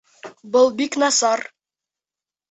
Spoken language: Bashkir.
Был бик насар.